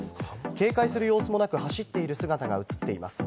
警戒する様子もなく走っている姿が映っています。